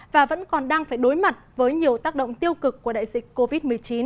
và vẫn còn đang phải đối mặt với nhiều tác động tiêu cực của đại dịch covid một mươi chín